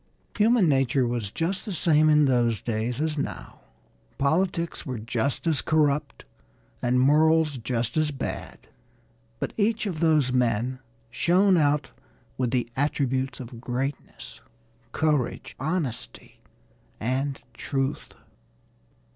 Human nature was just the same in those days as now politics were just as corrupt and morals just as bad but each of those men shone out with the attributes of greatness courage, honesty and truth.